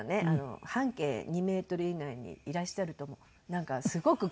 半径２メートル以内にいらっしゃるともうなんかすごくこう。